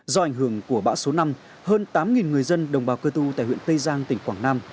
do ảnh hưởng của bão số năm hơn tám người dân đồng bào cơ tu tại huyện tây giang tỉnh quảng nam